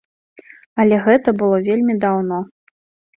Але гэта было вельмі даўно.